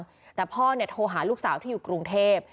ได้แล้วหรือยังแต่พ่อเนี่ยโทรหาลูกสาวที่อยู่กรุงเทพฯ